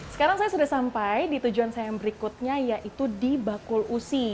sekarang saya sudah sampai di tujuan saya yang berikutnya yaitu di bakul usi